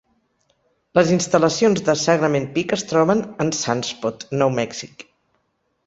Les instal·lacions de Sagrament Peak es troben en Sunspot, Nou Mèxic.